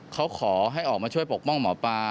เขาขอให้ออกมาช่วยปกป้องหมอปลา